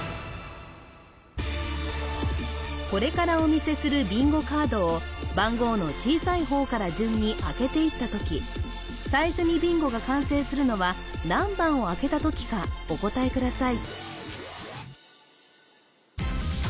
これからお見せするビンゴカードを番号の小さい方から順に開けていった時最初にビンゴが完成するのは何番を開けた時かお答えください